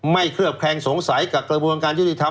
เคลือบแคลงสงสัยกับกระบวนการยุติธรรม